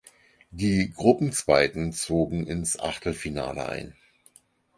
Die Gruppenzweiten zogen ins Achtelfinale ein.